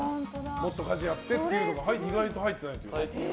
もっと家事やってっていうのが意外と入っていないという。